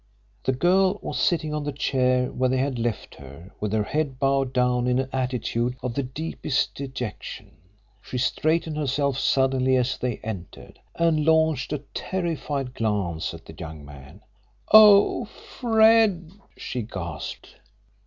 The girl was sitting on the chair where they had left her, with her head bowed down in an attitude of the deepest dejection. She straightened herself suddenly as they entered, and launched a terrified glance at the young man. "Oh, Fred!" she gasped.